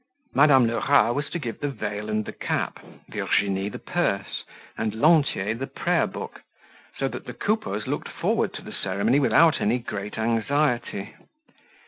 Madame Lerat was to give the veil and the cap, Virginie the purse, and Lantier the prayer book; so that the Coupeaus looked forward to the ceremony without any great anxiety.